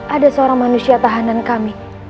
ada seorang manusia tahanan kami